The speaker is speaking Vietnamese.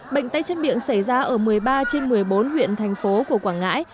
bệnh tay chân miệng xảy ra ở một mươi ba trên một mươi bốn huyện thành phố của quảng ngãi